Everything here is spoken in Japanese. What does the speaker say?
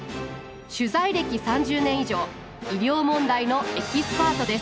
取材歴３０年以上医療問題のエキスパートです